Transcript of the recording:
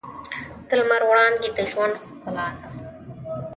د لمر وړانګې د ژوند ښکلا ده.